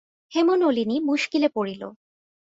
হেমনলিনী মুশকিলে পড়িল।